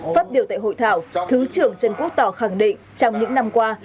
phát biểu tại hội thảo thứ trưởng trần quốc tỏ khẳng định trong những năm qua